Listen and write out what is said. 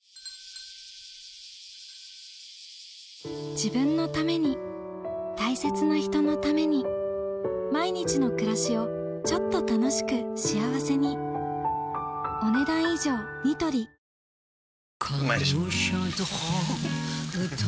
自分のために大切な人のために毎日の暮らしをちょっと楽しく幸せにうまいでしょふふふ